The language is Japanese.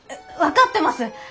分かってます！